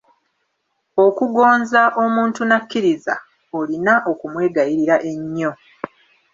Okugonza omuntu n'akkiriza, olina okumwegayirira ennyo.